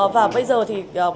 và bây giờ thì đối với cả hàn quốc